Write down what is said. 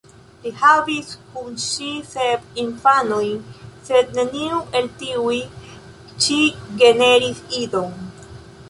Li havis kun ŝi sep infanojn, sed neniu el tiuj ĉi generis idon.